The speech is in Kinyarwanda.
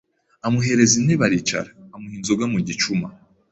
" Amuhereza intebe aricara, amuha inzoga mu gicuma,